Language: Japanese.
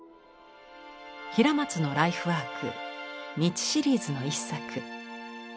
平松のライフワーク「路シリーズ」の一作。